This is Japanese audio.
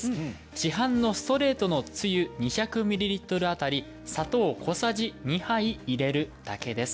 市販のストレートのつゆ２００ミリリットルあたり砂糖小さじ２杯入れるだけです。